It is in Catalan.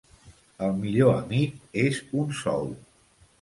El millor amic és un sou.